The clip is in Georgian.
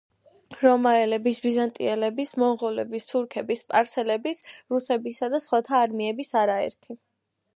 რომაელების, ბიზანტიელების, მონღოლების, თურქების, სპარსელების, რუსებისა და სხვათა არმიების არაერთი